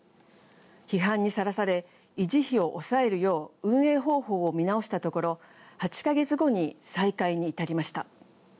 批判にさらされ維持費を抑えるよう運営方法を見直したところ８か月後に再開に至りました。